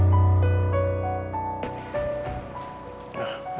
ada yang gue bisa panggil nah epic merged dapps dengan themoth moving exchange